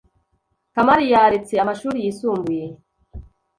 Kamari yaretse amashuri yisumbuye.